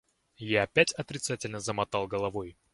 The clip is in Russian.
Я опять отрицательно замотал головой.